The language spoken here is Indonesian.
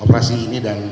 operasi ini dan